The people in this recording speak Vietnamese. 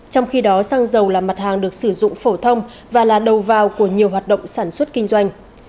trong khi đó xăng dầu là mặt hàng được sử dụng phổ thông và là đầu vào của nhiều hoạt động sản xuất kinh doanh